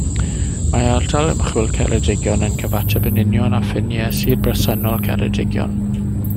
Mae Ardal Ymchwil Ceredigion yn cyfateb yn union â ffiniau sir bresennol Ceredigion.